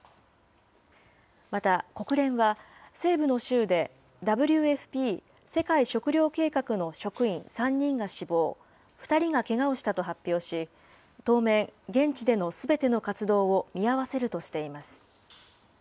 また国連は、西部の州でＷＦＰ・世界食糧計画の職員３人が死亡、２人がけがをしたと発表し、当面、現地でのすべての活動を見合わせるとしています。